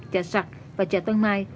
chợ sặc và chợ tân mai